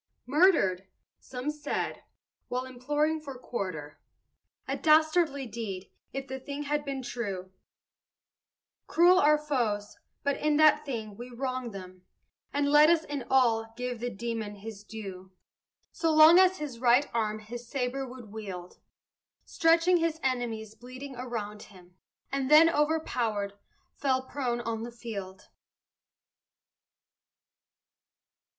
Murdered, some said, while imploring for quarter A dastardly deed, if the thing had been true Cruel our foes, but in that thing we wronged them, And let us in all give the demon his due. Gallant Hugh Mercer fell sturdily fighting, So long as his right arm his sabre could wield, Stretching his enemies bleeding around him, And then, overpowered, fell prone on the field.